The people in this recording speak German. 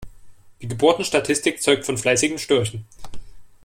Die Geburtenstatistik zeugt von fleißigen Störchen.